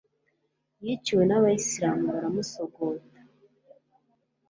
yiciwe n'abayisilamu baramusogota